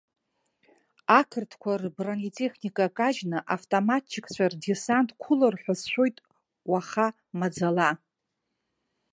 Ақырҭқәа рбронетехника кажьны автоматчикцәа рдесант қәылар ҳәа сшәоит уаха маӡала.